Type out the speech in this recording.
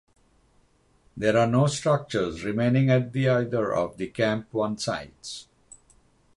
There are no structures remaining at either of the Camp One sites.